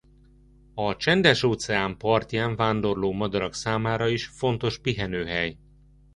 A Csendes-óceán parján vándorló madarak számára is fontos pihenőhely.